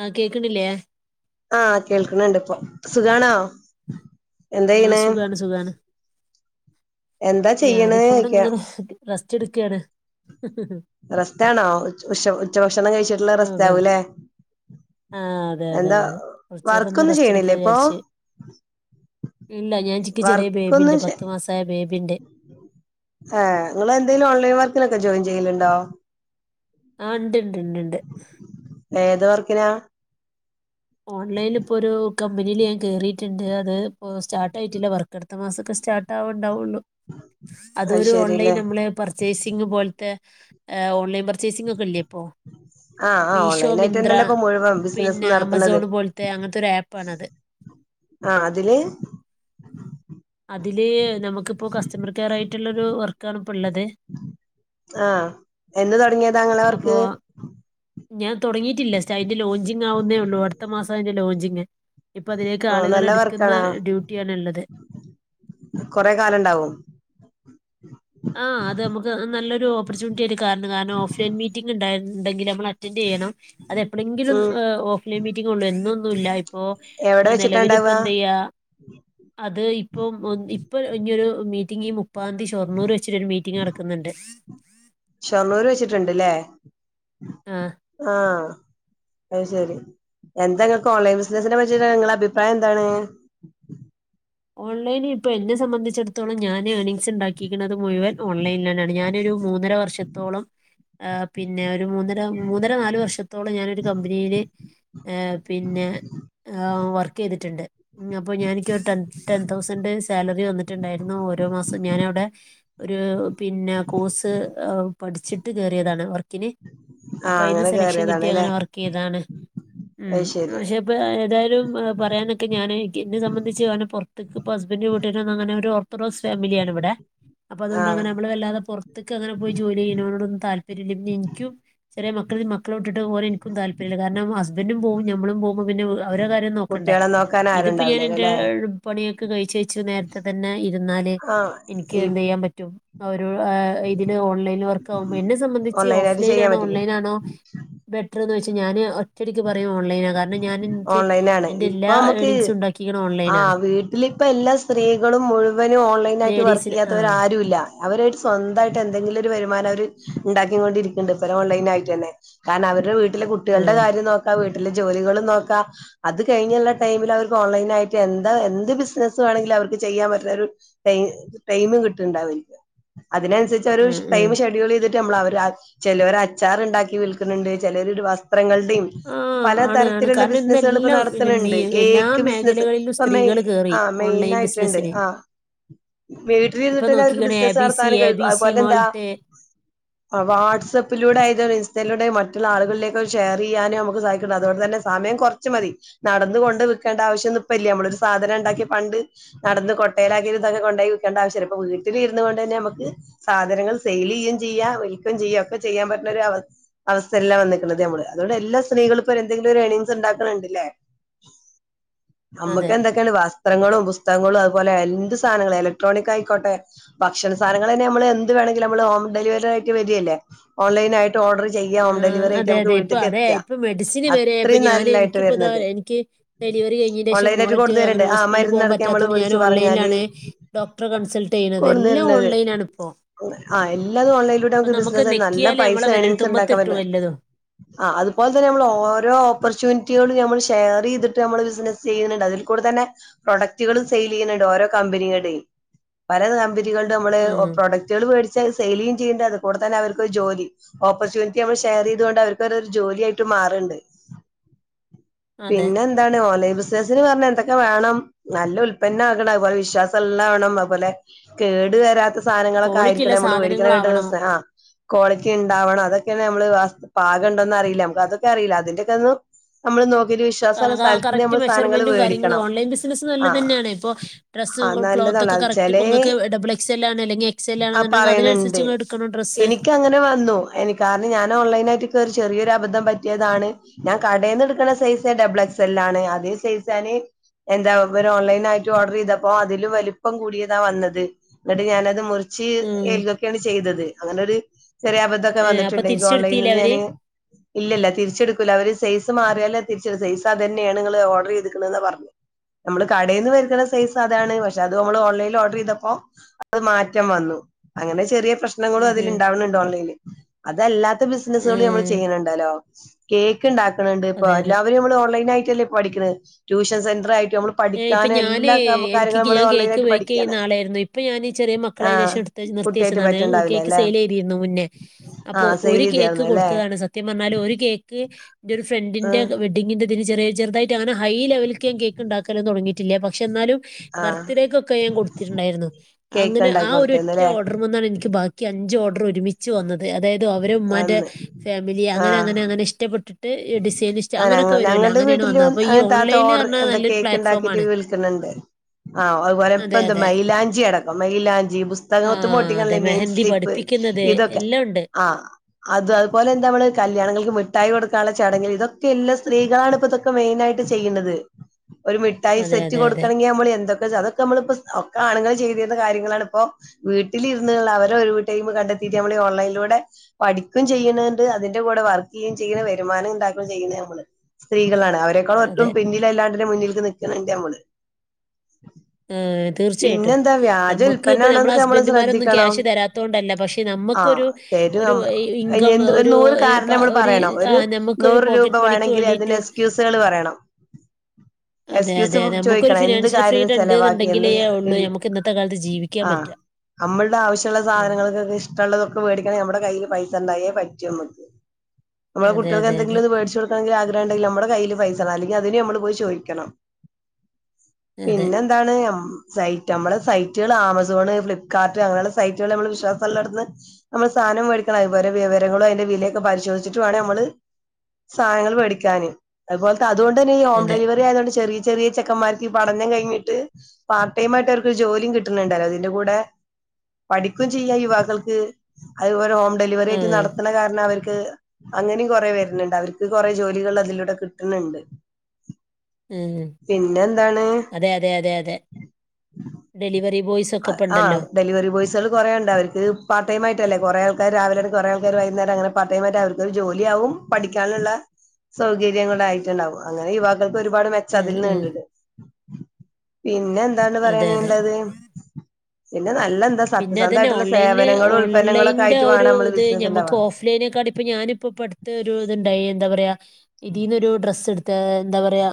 ആ കേക്കണില്ലേ ആ കേൾക്കണണ്ട് ഇപ്പൊ സുഖാണോ എന്താ ആ ചെയ്യണ് സുഖാണ് സുഖാണ് എന്താ ചെയ്യണ് ഞാനിപ്പോ ഇവിടെ ചോയ്ക്ക ഇങ്ങനെ റസ്റ്റ്ടുക്കയാണ് റസ്റ്റാണോ ഉം ഉച്ചഭക്ഷണം കഴിച്ചിട്ടുള്ള ആ വെറു റെസ്റ്റാവുല്ലേ ആ അതെ അതെ അതെ കൊറച്ചേരം ഒന്ന് വർക്കൊന്നും റെസ്റ്റ് എടുക്കാ ചെയ്യണില്ലേ ഇപ്പൊ വിചാരിച്ചു ഇല്ല ഞാൻ ചിക്കി ചെറിയ ബേബിണ്ട് വർക്കൊന്നും ചെ പത്തു മാസായ ബേബിണ്ട് ആഹ് നിങ്ങെളന്തേലും ഓൺലൈൻ വർക്കിനൊക്കെ ജോയിൻ ചെയ്യലുണ്ടോ ആണ്ട് ഏത് വർക്കിനാ ഓൺലൈനി ഇപ്പോ ഒരു കമ്പനിയിൽ ഞാൻ കേറിയിട്ടുണ്ട് അത് ഇപ്പോ സ്റ്റാർട്ട് ആയിട്ടില്ല വർക്കടുത്ത മാസൊക്കെ സ്റ്റാർട്ട് ആവണ് ണ്ടാവുള്ളു അത് അതൊരു ഓൺലൈൻ ശരില്ലേ നമ്മള് പർച്ചേസിംങ്‌ പോലത്തെ ഓൺലൈൻ പർചൈസിംഗ് ഒക്കെല്ലേ പ്പോ ആഹ് ആഹ് മീശോ ഓൺലൈൻ ആയിട്ട് മിന്ദ്ര തന്നെയല്ലേ ഇപ്പൊ മുഴുവൻ പിന്ന ബിസിനസ് ആമ നടത്തണത് സോൺ പോലത്തെ അങ്ങനത്തെ ഒരു ആപ്പ് ആണത് ആഹ് അതില് അതില് നമുക്കിപ്പോ കസ്റ്റമർ കെയർ ആയിട്ടുള്ള ഒരു വർക്കാ ആണ് ഇപ്പള്ളത് ആഹ് എന്ന് തുടങ്ങിയതാങ്ങളെ അപ്പോ വർക്ക് ഞാൻ തുടങ്ങിട്ടില്ലേസയിറ്റിന്റെ ലോഞ്ചിങ് ആവുന്നേ ഉള്ളൂ അടുത്ത മാസം അതിന്റെ ലോഞ്ചിങ് ഇപ്പൊ തിലേക്ക് ആഹ് ആളുകളെ നല്ല എടുക്കുന്ന വർക്കാണോ ഡ്യൂട്ടിയാണ് ഉള്ളത് കൊറെ കാലണ്ടാവും ആഹ് അത് നമക്ക്നല്ലൊരു ഓപ്പർച്യൂണിറ്റി ആയിരിക്ക കാരണം കാരണം ഓഫ്ലൈൻ മീറ്റിംഗ ഉണ്ടായിണ്ടെങ്കിൽ നമ്മ അറ്റൻഡറ് ചെയ്യണം അത് എപ്പളങ്കിലും ഉം ഓഫ്ലൈൻ മീറ്റിംങ്ങൊള്ളൂ എന്നൊന്നുല്ല ഇപ്പൊ എവിടെ വെച്ചിട്ടാ നിലവിൽ ഇപ്പ ഇണ്ടാവ എന്തിയ്യ അത് ഇപ്പൊ ഇപ്പൊ ഇനിയൊരു മീറ്റിംങ്‌ ഈ മുപ്പതാന്തി ഷൊർണൂർ മീറ്റിംങ്‌ നടക്കുന്നുണ്ട് ഷൊർണ്ണൂര് വെച്ചിട്ടുണ്ട്ല്ലേ ആഹ് ആഹ് അത് ശരി എന്താ നിങ്ങക്ക് ഓൺലൈൻ ബിസിനസിനെ പറ്റിട്ട് നിങ്ങളെ അഭിപ്രായം എന്താണ് ഓൺലൈനി ഇപ്പോ എന്നെ സംബന്ധിച്ചിടത്തോളം ഞാൻ ഏണിംങ്സ് ഉണ്ടാക്കിക്ക്ണ് മുഴുവൻ ഓൺലൈനൽന്നാണ് ഞാനൊരു മൂന്നര വർ ശത്തോളം പിന്നെ ഒരു മൂന്നര മൂന്നര നാല് വർഷ ത്തോളം ഞാനൊരു കമ്പനീൽ ഏ പിന്നെ വർക്ക് യ്തിട്ട്ണ്ട് അപ്പൊ ഞാ നിക് ടെൻ ടെൻ തൗസൻഡേഴ്‌സ് സാലറി വന്നിട്ടുണ്ടായിരുന്നു ഓരോ മാസം ഞാനവിടെ ഒരു പിന്നെ കോഴ്സ് പഠിച്ചിട്ട് കേറിയതാണ് വർക്കിന് അപ്പൊ ആഹ് അയിന്ന് അങ്ങനെ സെലക്ഷൻ കിട്ടി കേറിയതാണ് ല്ലേ അങ്ങനെ വർക്ക്യ്തതാണ് ഉം അത് ശരി പക്ഷെ ഇപ്പ ഏതായാലും പറയാനൊക്കെ ഞാൻ എന്നെ സംബന്ധിച്ച് കാരണം പോർ ത്ക്ക് ഹസ്ബന്ഡ് വീട്ടേര് അങ്ങനെ ഒരു ഓർത് ഡോക്സ് ഫാമിലിയാണ് ഇവിടെ അപ്പൊ അതുകൊണ്ട് ആഹ് അങ്ങെനെ നമ്മള് വല്ലാതെ പൊർ ത്ക്കങ്ങനെ പോയി ജോലി ചെയ്യണോടന്നും താല്പര്യല്ല പിന്നെ ഇനിക്കും ചെറിയമക്കളി മക്കളെഇട്ടിട്ട് പോവാൻ എനിക്കും താല്പര്യല്ല ഹസ്ബൻഡും പോവുംനമ്മളും പോവുമ്പോ പിന്നെ അവരെ കാര്യം നോക്കണ്ടേ കുട്ടികളെ നോക്കാൻ ഇതിപ്പോ ഞാൻ ആരുണ്ടാവില്ലല്ലോ എന്റെ ല്ലേ പണിയൊക്കെ കഴിച്ച കഴിച്ച് നേരത്തെ തന്നെ ഇരുന്നാല് ആഹ് എനിക്ക് ഈ എന്ത് യ്യാൻ പറ്റും ഓരോ ആ ഇതിന് ഓൺലൈനിൽ വർക്ക് ആകുമ്പോൾ എന്നെ സംബന്ധിച്ച് ഓൺലൈനായിട്ട് ഓഫ്ലൈൻ ചെയ്യാൻ ആണോ പറ്റില്ലേ ഓൺലൈനാണോ ബെറ്റർന്ന് ചൊയിച്ച ഞാന് ഒ ഒറ്റ ടിക്ക് പറയും ഓൺലൈനാണ് കാരണം ഞാൻ എനിക്ക് ഓൺലൈനാണ് എന്റെ ഇപ്പൊ എല്ലാ ഏണിങ്സും ഉണ്ടാക്കിക്ണ് ഓൺലൈനാണ് ഇതീലിപ്പോ എല്ലാ സ്ത്രീകളും മുഴുവനും ഓൺലൈൻ ആയിട്ട് വർക്ക് ലേഡീസിന് ആ യ്യാത്തവർ ആരു ഇല്ല അവരായിട്ട് സ്വന്തായിട്ട് എന്തെങ്കിലും ഒരു വരുമാനം അവര് ഉണ്ടാക്കി കൊണ്ടിരിക്ണ് ണ്ട് ഇപ്പ ഓൺലൈനാ യിട്ടന്നെ കാരണം അവരുടെ വീട്ടിലെ കുട്ടികളുടെ ഉം, കാര്യം നോക്കാം വീട്ടിലെ ജോലികളും നോക്കാ അത് കഴിഞ്ഞുള്ള ടൈമിൽ അവർക്ക് ഓൺലൈൻ ആയിട്ട് എന്താ എന്ത് ബിസിനസ്സ് വേണെങ്കിലും അവർക്ക് ചെയ്യാൻ പറ്റ്ണൊരു ടൈം കിട്ടിണ്ടാവും ഇൻക്ക് ഉം, അതിനനുസരിച്ച് ഉം. ടൈം ഷെഡ്യൂൾ ചെയ്തി നമ്മൾ അവ ചെലൊര് അച്ചാർ ഇണ്ടാക്കി വിൽക്കുന്നുണ്ട് ചെലൊര് വസ്ത്രങ്ങള്ടിം ആ പല ആണ് ആണ് തരത്തിലുള്ള കാരണം ബിസിനസുകൾ ഇപ്പ ഇന്നെല്ലാം ഇല്ല, നടത്തണ്ട് മീ- എല്ലാ കേക്ക് ബിസിനസ് മേഖലകളിലും ഇപ്പ മെയി സ്ത്രീകൾ കയറി ആഹ് ഓൺലൈൻ മെയിനായിട്ടുണ്ട് ബിസിനസ്സിന് ആഹ് ഇപ്പൊ വീട്ടിലിരുന്നിട്ടന്നെ അവർക്ക് നോക്കിക്കണേ എ ബിസിനസ്സ് ബി സി നടത്താനും എ കഴും ബി സി അതുപോലെ എന്താ മാൾട്ട് ആഹ് വാട്സപ്പിലൂടെ ആയത് ഇസ്റ്റയിലൂടെ മറ്റുള്ള ആളുകളിലേക്ക് ഷെയർ ചെയ്യാനോ നമുക്ക് സാ [unintelligible] അതുകൊണ്ട് തന്നെ സമയം കൊറച്ച് മതി നടന്ന് കൊണ്ട് വിൽക്കേണ്ട ആവശ്യം ഇപ്പ ഇല്ല നമ്മളൊ ഒരു സാധനം ഉണ്ടാക്കി പണ്ട് നടന്ന് കൊട്ടയിലാക്കി കൊണ്ട് കൊണ്ടയി വിക്കണ്ട ആവശ്യം ഇപ്പ വീട്ടിലിരുന്നു കൊണ്ട് തന്നെ ഞമ്മക്ക് സാധനങ്ങൾ സെയിൽ യ്യും ചെയ്യ ഒലിക്കു ചെയ്യ ഒക്കെ ചെയ്യാൻ പറ്റുന്ന ഒരു അവ അവസ്ഥയില വന്നിക്ക്ണത് നമ്മള് അതോടെ എല്ലാ സ്ത്രീ എന്തെങ്കിലും ഏണിങ്സ് ഇണ്ടാക്കണ് ണ്ട്ലേ നമ്മക്ക് അതെ എ [unintelligible] വസ്ത്രങ്ങളും പുസ്തകങ്ങളും അതുപോലെ എന്ത് സാധനങ്ങളും ഇലക്ട്രോണിക് ആയിക്കോട്ടെ ഭക്ഷണ സാധങ്ങൾ തന്നെ നമ്മള് എന്ത് വേണമെങ്കിലും നമ്മള് ഹോം ഡെലിവറി ആയിട്ട് വരല്ലേ ഓൺലൈനായി ആഹ് അതെ അതെ ഇപ്പ അതെ എത്തുക ഇപ്പ വേ മസിന് വരെ അപ്പോ അത്രയും ഞാൻ നല്ലതായിട്ട് എനിക്കിപ്പോ ഇതാ വരുന്നത് എനിക്ക് ഡെലിവറി കഴിഞ്ഞേൻ്റെ ഷം ഓൺലൈനായിട്ട് മോളറ്റ് അങ്ങനെ കൊണ്ടുവരുന്നുണ്ട് ആ ഹോസ്പിറ്റലിൽ പോക മരുന്നടക്കം നമ്മൾ പറ്റാത്തോണ്ട് ഞാൻ വിളിച്ച് പറഞ്ഞാല് ഓൺലൈനിലാണ് ഡോക്ടറെ കൺസൾട്ട് ചെയ്യ്ണത് എല്ലാം ഓൺലൈനാണ് ഇപ്പോ ആഹ് എല്ലാതും ഓണ്ലൈനിലൂടെ അപ്പൊ നമുക്ക് ബിസിനസ്സയി നല്ല നെക്കിയാലേ പൈസ നമ്മളെ ഏണിങ്സ് ണ്ടാ വിരൽത്തുമ്പത്തിട്ടു വറ്റ വല്ലതും ആഹ് അത്പോ നമ്മൾ ഓരോ ഓപ്പർച്യൂണിറ്റികളും നമ്മൾ ഷെയർ ചെയ്തിട്ട് നമ്മള് ബിസിനസ് ചെയ്യണ് ണ്ട് അതില് കൂടെ തന്നെ പ്രൊഡക്ടുകളും സെയിൽ ചെയ്യ്ണ്ണ്ട് ഓരോ കമ്പനികളുടെ പല കമ്പനികളുടെ നമ്മള് ഉം പ്രൊഡക്ട് ട്ടീള് വേടിച്ച് അത് സെയ്ലീയു ചെയ്യ്ണ്ട് കൂട തന്നെ അവർക്ക് ജോലി. ഓപ്പർച്യുനിറ്റി നമ്മള് ഷെയറീതേണ്ട് അവർക്കതൊര് ജോലി ആയി. മാറ്ണ്ട് അതെ പിന്ന എന്താണ് ഓൺലൈ ബിസ്നസിന് പർഞ്ഞ എന്തൊക്ക വാണം. നല്ല ഉൽപന്നാകണം അതുപോലെ വിശ്വാസം ഇള്ളാവണം അതുപോലെ കേട് വരാത്ത. സാധനങ്ങളൊക്ക ക്വാളിറ്റി ഉള്ള ആയിരിക്കണം നമ്മള് വേടിക്ക്ണ സാധനങ്ങളാവണം ഡ്രസ്സ് ആഹ് കോളിറ്റി ഇണ്ടാവണം അതൊക്കേണ് നമ്മള് വസ് പാകം ഇണ്ടോന്നറീല അതൊക്കെ അറീല അതിന്റെക്കെന്ന് നമ്മള് നോക്കീട്ട് വിശ് വിശ്വാസ കാരണം സ്ഥൽത്ത്ന്ന് കറക്റ്റ് നമ്മള് സാനങ്ങള് മെഷർമെന്റും കാര്യങ്ങളും വേടിക്കണം ഓൺലൈൻ ബിസിനസ് നല്ലത് ആഹ്. തന്നെയാണ് ഇപ്പൊ ഡ്രസ്സ് ആഹ് ക്ലോത്ത് നല്ലതാണ് ഒക്കെ അത് കറക്റ്റ് ച്ചെലേ ഇപ്പൊ നിങ്ങൾക്ക് ഡബിൾ എക്സ് എൽ ആണ് അല്ലെങ്കിൽ എക്സ് എൽ ആഹ് ആണെന്നുണ്ടെങ്കിൽ അതിനനുസരിച്ച് പറീണിണ്ട്. നിങ്ങൾ എടുക്കണം ഡ്രസ്സ് എനിക്കങ്ങനെ വന്നു എനിക് കാര്ണം ഞാൻ ഓൺലൈനായിട്ട് കേറി ചെറിയൊരബദം പറ്റിയതാണ് ഞാൻ കടേന്ന് ഇട്ക്ക്ണ സൈസ് ഡബ്ൾ എക്സലാണ് അതേ സൈസാണ്. എന്താ ഇവര് ഓൺലൈനായിട്ട് ഓഡ്രീതപ്പോ അതിലും വലുപ്പം കൂടിയത വന്നത്. ഇന്നിട്ട് ഞാനത് മുറിച്ച് ഉം ഏലൊക്കേണ് ചെയ്തത് അങ്ങനൊര് ചെറിയ അബ തൊക്കെ ഏ അപ്പൊ വന്നിട്ട്ണ്ട് ഇൻക്. തിരിച്ചെടുത്തില്ലേ ഓൺലൈനിന്ന് അവര് ഞാന്. ഇല്ലല്ല തിരിച്ചിട്ക്കൂല അവര് സൈസ് മാറിയാലെ തിരിച്ച്ട് സൈസ് അത് തന്നേണ് നിങ്ങള് ഓഡ്രീത്ക്ക്ണ്ന്ന പർഞ്ഞ്. നമ്മള് കടയിന്ന് വര്ത്ത്ണ സൈസ് അതാണ് പക്ഷെ അത് നമ്മള് ഓൺലൈൻല് ഓഡ്രീതപ്പൊ ചെയ്തപ്പോ.... അത് മാറ്റം വന്നു അങ്ങനെ ചെറിയ പ്രശ്നം. പ്രശ്നങ്ങളും ഉം അതില് ഉം ഇണ്ടാവ്ണിണ്ട് ഓൺലൈൻല് അതല്ലാത്ത ബിസിനസ്കളും നമ്മള് ഉം ചെയ്യ്ണ് ണ്ടലോ കേക്ക് ഇണ്ടാക്ക്ണ് ണ്ട് ഇപ്പൊ അതെ അതെ എല്ലാവരും നമ്മള് ഓൺലൈനായിട്ടല്ലെ പഠിക്ക്ണെ ട്യൂഷൻ സെന്ററായിട്ടും നമ്മള് ഏഹ് ഇപ്പ പഠിക്കാനും ഞാന് എല്ലാ എനിക്ക് കാര്യങ്ങളും നമ്മള് ഞാൻ ഓൺലൈൻ കേക്ക് ആയിട്ട് പഠിക്കാണ് ബേക്ക്യ്യ്ന്ന ആളെര്ന്ന് ഇപ്പൊ ഞാനീ ചെറീ ആഹ് മക്കളായീനേശം ഇട് കുട്ടിയായിട്ട് നിർത്തിച്ചതാണ് പറ്റണ്ടാവില്ല കേക്ക് അല്ലെ സെയിലീതീർന്നു മുന്നെ അപ്പൊ ആഹ് ഒരു സെയിൽ കേക്ക് ചെയ്തായിരുന്നു അല്ലേ കൊട്ത്തതാണ്. സ ത്യം പർഞ്ഞാല് ഒര് കേക്ക് ഇന്റൊരു ഫ്രണ്ടിന്റെ ആഹ് വെ പിന്നെ ഇതൊരു ചെറീ ചെറുതായിട്ട് അങ്ങന ഹൈ ലെവല്ക്ക് ഞാ കേക്ക് ഇണ്ടാക്കല് തൊടങ്ങീട്ടില്ല പക്ഷെ ഇന്നാലും ആഹ് ബർത്ത്ഡേകൊക്ക ഞാൻ കൊട്ത്തിട്ട്ണ്ടാര്ന്നു കേക്ക് അങ്ങന ഇണ്ടാക്കി ആഹ് ഒരൊറ്റ കൊടുത്തന്നല്ലേ ഓഡ്ര് മ്മാണ് എനിക്ക് ബാ ക്കി അഞ്ച് ഓഡ്രും ഒരുമിച്ച് വന്നത് അതായത് അവരെ ഉമ്മാന്റെ അന്ന് ഫാമിലി അങ്ങനെ ആഹ് അങ്ങനെ അങ്ങനെ ഇഷ്ടപ്പെട്ട് ഡിസൈനിസ്റ്റ് ആ ഞങ്ങ അങ്ങനൊക്ക വരോല്ലൊ ഞങ്ങളുടെ അങ്ങനേണ് വീട്ടില് വന്നത് അപ്പൊ ഈ ഓൺലൈൻല് അർഞ്ഞ നല്ലൊരു ഫ്ലാറ്റ് കിടി വിൾക്ക്ണ് ണ്ട്. ആഹ് അത് പോലെ അതെ ഇപ്പെന്ത് അതെ മൈയിലാഞ്ചി അടക്കം മൈയിലാഞ്ചി പുസ്തകത്ത്മ്മെ ഒട്ടിക്ക്ണ നെയിംസ്ലി പഠിപ്പിക്ക്ന്നത് എല്ലാണ്ട്. ആഹ് അത് അതുപോലെ എന്തമ്മള് കല്യാണങ്ങൾക്ക് മിട്ടായി കൊട് കള ചടങ്ങിൽ ഇതൊക്കെ എല്ല സ്ത്രീകളാണ് ഇപ്പ ഇതൊക്ക മെയിനായിട്ട് ചെയ്യ്ണത്. ഒരു മിഠായി അതെ സെറ്റ് അതെ അതെ കൊട്ക്കണെങ്കി നമ്മള് എന്തൊ അതൊക്കെ നമ്മളിപ്പൊ ഒക്ക ആണ്ങ്ങള് ചെയ്തിര്ന്ന കാര്യങ്ങളാണ് ഇപ്പൊ വീട്ടിലിരുന്ന്ള്ള അവരെ ഒരു ടൈമ് കണ്ടെത്തീട്ട് നമ്മള് ഓൺലൈൻലൂടെ പഠിക്കും ചെയ്യ്ണ്ണ്ട് അതിന്റെ കൂടെ വർക്കിയ്യും ചെയ്യ്ണ രുമാനം ഉണ്ടാക്കു ചെയ്യ്ണ ഞമ്മള് സ്ത്രീകളാണ് അവരെക്കാൾ ഒട്ടും അതെ പിന്നി എല്ലാണ്ടിനും മുന്നിൽക്ക് നിക്ക്ണ് ണ്ട് നമ്മള് ഏഹ് തീർച്ചയായിട്ടും പിന്നെന്താ വ്യാജ നമ്മക്ക് ഇപ്പ നമ്മളെ ഉൽപ്പന്നാണോന്നൊക്കെ നമ്മള് ഹസ്ബന്റ്മാരൊന്നും ശ്രദ്ധിക്കണം ക്യാഷ് തരാത്തോണ്ടല്ല പക്ഷെ ആഹ് നമ്മക്കൊരു തരും ഒരൂ നമ്മ അയിന് ഇൻകം എന്ത് ഒരു ഒരൂ നൂറ് ഏഹ് ഇപ കാരണം നമ്മള് ഒര് പറയണം ഒരു ആഹ് നമ്മക്ക് ക്കൊരു നൂറ് രൂപ പോക്കറ്റ് മണിക്ക് വേണെങ്കിൽ അതിന് വേണ്ടീറ്റും. എക്സ്ക്യൂസുകൾ പറയണം അതെ എക്സ്ക്യൂസ് അതെ അതെ നമ്മക്കൊരു ചോദിക്കണം എന്ത് ഫിനാൻഷ്യൽ ഫ്രീ കാര്യത്തിന് ഇൻഡ്ന്ന് ചെലവാക്കി എന്ത് ഇണ്ടെങ്കിലേ ഉള്ളു നമ്മക്ക് ഇന്നത്തെ കാൽത്ത് ജീവിക്ക പറ്റ നമ്മൾടെ ആവശ്യള്ള സാധനങ്ങൾക്കൊക്കെ ഇഷ് ഇഷ്ടൊള്ളതൊക്കെ വേടിക്കണേ നമ്മട കയ്യില് പൈസ ഉണ്ടായേ പറ്റു മ്മക്ക്. അതെ അതെ അതെ. മേടിച്ച കൊടുക്കണെങ്കി ആഗ്രഹംണ്ടെങ്കി നമ്മുടെ കയ്യില് പൈസ വേണം അല്ലങ്കിൽ അതിനും ഞമ്മള് പോയി ചോയിക്കണം. അതെ പിന്നെന്താണ്. സൈറ്റ് ഞമ്മളെ സൈറ്റുകൾ ആമസോണ് ഫ്ലികാർട്ട് അങ്ങനെയുള്ള സൈറ്റുകൾ നമ്മള് വിശ്വാസള്ളട്ത്ത്ന്ന്. നമ്മൾ സാധനം വേടിക്കണം അതുപോല വിവരങ്ങളും അതിന്റെ വിലൊക്കെ പരിശോധിച്ചിട്ട് വേണം മ്മള് സാധങ്ങങ്ങള് വേടിക്കാന് അതുപോലത്തെ അതുകൊണ്ട് തന്നെ ഈ ഹോം അതെ ഡെലിവറി ആയതുകൊണ്ട് ചെറി ചെറിയ ചെക്കമ്മാർക്ക് ഈ പഠനം കഴിഞ്ഞിട്ട്. പാർട്ട് ടൈ ആയിട്ട് ഓർക്ക് ഒരു ജോലിയും കിട്ട്ണ്ടല്ലോതിന്റെ കൂടെ. പഠിക്കും ചെയ്യാ യുവാക്കൾക്ക്. അതുപോലെ ഹോം ഡെലിവറി ആ ആയിട്ട് നടത്ത്ണ കാരണം അവർക്ക് അങ്ങനിം. കൊറെ വെര്ന്ണ്ട് അവർക്ക് കൊറെേ ജോലികൾ അതിലൂടെ കിട്ട്ണ്ണണ്ടു ഉം പിന്നെന്താണ്. അതെ അതെ അതെ അതെ ഡെലിവറി ബോയ്സ് ഒക്കെ ഇപ്പ ആഹ് ഇണ്ടല്ലോ. ഡെലിവറി ബോയ്സുകൾ കൊറേ ഇണ്ട് അവർക്ക് പാർടൈം ആയിട്ടല്ലേ കൊറേ ആൾക്കാര് രാവിലരും കൊറേ ആൾക്കാർ വൈന്നേരം അതെമാതിരി വൈകുന്നരം അങ്ങനെ പാർടൈമായിട്ട് അവർക്കരു ജോ ല്യആവും പാടിക്കാന്ള്ള സൗകര്യുടെ ആയിട്ട്ണ്ടാവും അങ്ങനെ യുവാക്കൾക്ക് ഒരുപാട് മെ ഉം, ചതിൽന്ന് ഉം. കണ്ടിത് പിന്നെ എന്താണ് അതെ അതെ പറയാന്ള്ളത്. പിന്നെ നല്ല എന്താ പിന്നെ അതന്നെ സത്യസന്തായിട്ട്ള്ള ഓൺലൈനില് സേവനങ്ങളും ഉത്പന്നങ്ങളൊക്കായിട്ട് വാണം മ്മള് ബിസിനസ്സ് ണ്ടാവാ. േനെക്കാ [unintelligible] ഇപ്പോ ഞാനിപ്പപ്പോടുത്ത ഒരു ഇതുണ്ടയി എന്താ പറയാ ഇതിന്നൊ ഒരു ഡ്രസ്സ് എടു ഏഹ് എന്താ പറയാ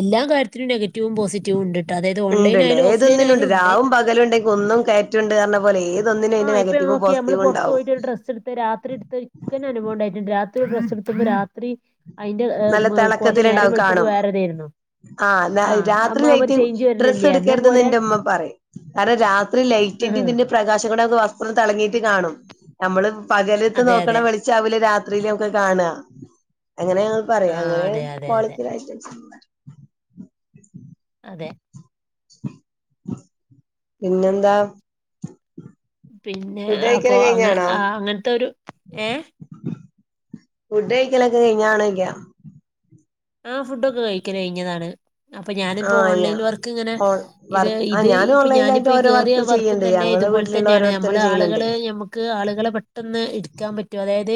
എല്ലാ കാര്യത്തിലും നെഗറ്റീവും പോസിറ്റീവും ഉണ്ട്ട്ടാ അതായത് ഓൺലൈനായാലും ഓഫ്‌ലൈനായാലുണ്ട്. [unintelligible] ഉണ്ടെങ്ക ഒന്നും കയറ്റുണ്ട് എന്ന് പറയും പോലെ ഏത് ആ ഇപ്പൊ നോക്കി നമ്മള് പുറത്ത് പോയിറ്റ് ഒരു ഡ്രസ്സ് എടുത്ത് രാത്രിട്ത്ത്. ഇൻക്കന്നെ അനുഭവം ഉണ്ടായിട്ടുണ്ട് രാത്രി ഡ്രെസ്സെടുക്കുമ്പോ രാത്രി. അതിന്റെ എ നല്ല മെ കോലം നേരം തിളക്കത്തിലുണ്ടാവും വളുത്തപ്പോ കാണും വേറൊരുത്തെയിന്നു. ആഹ് രാത്രി ലെയിറ്റ് ഡ്രസ്സ് വരണില്ലേ എന്ന എടുക്കരുതന്ന് പോലെ ന്റമ്മ പറയും. കാരണം രാത്രി ലൈറ്റിന്റിം ഇതിന്റിം. പ്രകാശം കൊണ്ട് മ്മക്ക് വസ്ത്രം തെളങ്ങീറ്റ് കാണും നമ്മള് പകലത്ത് അതെ നോക്കണ അതെ വെളി ചല്ലെ രാത്രീല് മ്മള് കാണ അങ്ങനെ ആ പറയാ അങ്ങനെ അതെ അതെ അതെ ക്വാളിറ്റി [unintelligible] അതെ. പിന്നെന്താ. പിന്നെ ഫുഡ് അപ്പൊ കഴിക്കല് അങ്ങ ആ അങ്ങനത്തെരു ഏഹ്. ഫുഡായ്ക്കലൊക്കെ കയിഞ്ഞാണോന്ന് ചോയ്ക്ക. ആഹ് ഫുഡൊക്കെ കഴിക്കല് കഴിഞ്ഞതാണ് അപ്പൊ ഞാനിപ്പോ ആഹ് ഞാ ഓൺലൈനി വർക്ക് ഇങ്ങനെ ഓൺ ഇത് വർക്ക് ആഹ് ഇത് ഞാൻ ഇപ്പൊ ഞാനിപ്പോ ഓൺലൈനിലായിട്ട് ഈ ഓരോ കേറിയ വർക്കുകൾ വർക്കും ചെയ്യ്ണ്ട് തന്നെ ഞങ്ങളെ ഇതുപോലെ വീട്ടിലുള്ള തന്നെയാണ് നമ്മള് ഓരോരുത്തരും ചെയ്യ്ണ് ണ്ട്. ആളുകള് നമ ക്ക് ആളുകളെ പെട്ടെന്ന് എടുക്കാൻ പറ്റോ അതായത്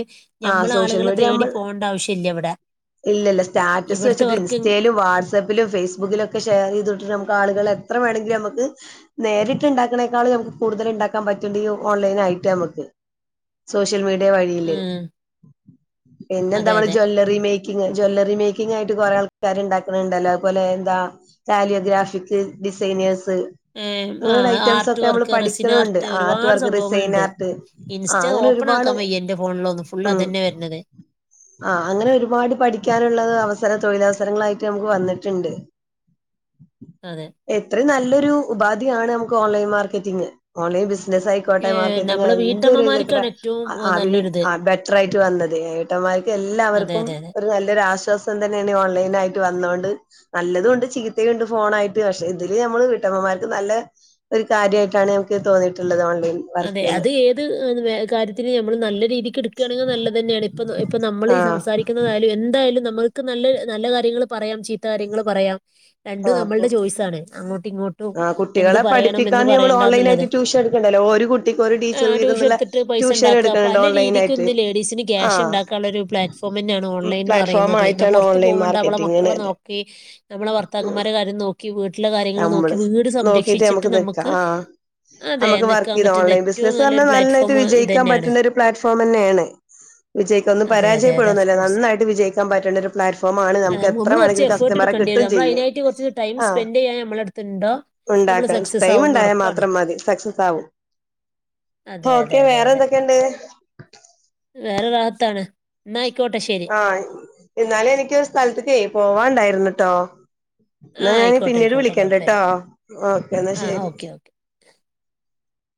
ആഹ് ഞമ്മൾ ആളുകളെ തേടി പോകേണ്ട ആവശ്യ ഇല്ല ഇവിടെ ഇല്ല ഇല്ല സ്റ്റാറ്റസ് ഇവിടുത്തെ വെച്ചിട്ട് വർക്ക് ഇൻസ്റ്റയിലും വാട്സ് വാട്സപ്പിലും ഫേസ്ബുക്കിലൊക്കെ ഷെയർ ചെയ്തിട്ട് നമുക്ക് ആളുകളെ എത്ര വേണമെങ്കിലും നമുക്ക് നേരിട്ട് ഉണ്ടാക്ക്ണേക്കാൾ ഞമുക്ക് കൂടുതല് ഉണ്ടാക്കാൻ പറ്റണ്ട് ഈ ഓൺലൈൻ ആയിട്ട് നമുക്ക് സോഷ്യൽ മീഡിയ വഴിയില് ഉം പിന്നെന്താ അതെ നമ്മള് അതെ ജ്വല്ലറി മേ ജ്വല്ലറി മേക്കിങ്ങ്യായിട്ട് കുറേ ആൾക്കാർണ്ടാക്ക്ണ് ണ്ടല്ലോ അതുപോലെ എന്താ കാലിയോഗ്രാഫിക് ഡിസൈനേഴ്സ് ഏം, ആ അങ്ങനള്ള ഐറ്റംസ് ആർട്ട് ഒക്കെ നമ്മൾ വർക്ക് റെസിൻ പഠിക്കുണണ്ട് ആർട്ട് ഒരുപാട് വർക്ക് റിസൈൻ സംഭവങ്ങളുണ്ട് ആർട്ട് ഇൻസ്റ്റ ആഹ് അങ്ങനെ ഓപ്പൺ ഒരുപാട് ആക്കാൻ വയ്യ എന്റെ ഫോണിലോന്ന് ഫുള്ള് ഉം അതന്നെ വര്നത് ആഹ് അങ്ങനെ ഒരുപാട് പഠിക്കാനുള്ളത് അവസര തൊഴിലവസരങ്ങളായിട്ട് നമുക്ക് വന്നിട്ടുണ്ട് [unintelligible] അതെ എത്ര നല്ലൊരു ഉപാധിയാണ് നമുക്ക് ഓൺലൈൻ മാർക്കറ്റിങ്ങ് ഓൺലൈൻ ബിസിനായിക് ഏ, കോട്ടയ മാർക്കറ്റിംഗ് നമ്മള് ഏതൊരു ഇന്തായിക്കോട്ടെ വീട്ടമ്മമാർക്കാണ് ഏറ്റവും ആഹ് ആഹ് വീ നല്ലൊരിത് ആഹ് ബെറ്റർ ആയിട്ട് വന്നത് ഏട്ടന്മാർക്ക് അതെ, എല്ലാവർക്കും അതെ, അതെ. ഒരു നല്ലൊരു ആശ്വാസ് തന്നെയാണ് ഓൺലൈൻ ആയിട്ട് വന്നോണ്ട് നല്ലതുണ്ട് ചീത്തയുണ്ട് ഫോണ ആയിട്ട് പക്ഷെ ഇതില് നമ്മള് വീട്ടമ്മമാർക്ക് നല്ല ഒരു കാര്യമായിട്ടാണ് നമുക്ക് തോന്നിയിട്ടുള്ളത് ഓൺലൈൻ അതെ വർക്കുകള് അത് ഏത് കാര്യത്തിന് നമ്മള് നല്ല രീതി കിട്ക്കയാണെങ്കിൽ നല്ലതന്നെയാണ് ഇപ്പ ഇപ്പ നമ്മൾ ഈ ആഹ് സംസാരിക്കുന്ന എന്തായാലും നമ്മുക്ക് നല്ല നല്ല കാര്യങ്ങള് പറയാം ചി ത്ത കാര്യങ്ങൾ പറയാം രണ്ടും ആഹ് അപ്പൊ നമ്മളുടെ ചോയ്സ് ആണ് അങ്ങോട്ട് ഇങ്ങോ ആഹ് കുട്ടികളെ പഠിപ്പിക്കാന് നമ്മള് ഓൺലൈൻ ആയ്ട്ട് ട്യൂഷൻ എടുക്കണ്ടല്ലോ ഒരു കു ആഹ് ട്യൂഷൻ എടുത്തിട്ട് പൈസ ഉണ്ടാക്ക എടുക്കണുണ്ട് പല ഓൺലൈൻ രീതിക്ക് ആയിട്ട് ഇന്ന് ലേഡീസിന് ക്യാഷ് ആഹ് ഉണ്ടാക്കാനുള്ള ഒരു പ്ലാറ്റ്ഫ് പമെന്റ് ആണ് ഓൺലൈൻ എന്ന് പ്ലാറ്റ്ഫോം പറയുന്നത് ന്നാ ആയിട്ടാണ് പുറത്ത് ഓൺലൈൻ പോവേണ്ട നമ്മളെ മാർക്കറ്റിംഗിന് മക്കളെ നോക് നമ്മളെ ഉം ഭർത്താക്കന്മാരെ കാര്യം നോക്കി വീട്ടിലെ കാര്യ നമ്മള് നോക്കിട്ട് നമ്മക്ക് നിക്ക ആഹ് അതെ. നമ്മുക്ക് വർ നിക്കാൻ ഇത് പറ്റുന്ന ഓൺലൈൻ ഏറ്റവും ബിസിനസ്സ് നല്ലൊരു പറഞ്ഞാൽ നല്ലായിട്ട് പ്ലാറ്റ്ഫോം വിജയിക്കാൻ ഇതന്നെയാണ്. പറ്റുന്ന ഒരു പ്ലാറ്റ്ഫോം തന്നെയാണ് വിജയിക്കൊന്ന അതെ, അതെ, അതെ. ഓഫ് പരാജയപ്പെടുന്നുല്ല കോഴ്സ്. നന്നായിട്ട് വിജയിക്കാൻ പറ്റേണ്ട ഒരു പ്ലാറ്റ്ഫോം ആണ് നമക്ക് എത്ര വേണമെങ്കിലും ക എഫോട്ട് എട്ക്കണ്ട്യരും നമ്മൾ അയിനായിട്ട് കുറച്ച് ടൈം സ്പെൻ് ചെയ്യാൻ നമ്മളെ എടുത്തുണ്ടോ ഉണ്ടാക്കണം ടൈം ഉണ്ടായാൽ മാത്രം മതി സക്സസ് ആകും അതെ, അതെ, ഓക്കെ അതെ, വേറെ അതെ. എന്തൊക്കെയുണ്ട് വേറെ റാഹത്താണ് എന്നാ ആയിക്കോട്ടെ ശരി ആഹ് എന്നാൽ എനിക്ക് ഒരു സ്ഥലത്തേക്ക് പോവാണ്ടായിരുന്നുട്ടോ ആ എന്നാ ഞാന് ആയിക്കോട്ടെ, പിന്നീട് ആയിക്കോട്ടെ. കുഴപ്പമില്ല. വിളിക്കണ്ട്ട്ടോ ഓക്കേ എന്നാ ആ ശെരി ഓക്കെ, ഓക്കെ.